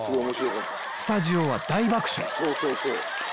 スタジオは大爆笑